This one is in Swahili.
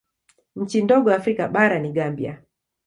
Nchi ndogo Afrika bara ni Gambia.